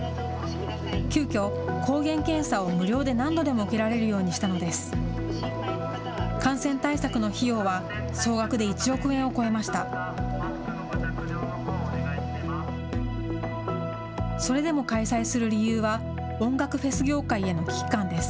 急きょ、抗原検査を無料で何度でも受けられるようにしたのです。